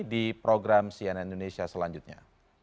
di program cnn indonesia selanjutnya